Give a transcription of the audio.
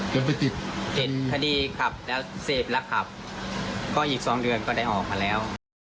จะไปติดถ้าดีขับแล้วเสพละขับก็อีกสองเดือนก็ได้ออกมาแล้ว